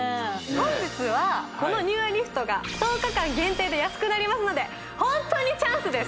本日はこのＮＥＷＡリフトが１０日間限定で安くなりますのでホントにチャンスです！